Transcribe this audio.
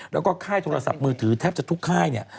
แล้วก็ค่ายโทรศัพท์มือถือแทบจะทุกค่ายเนี่ย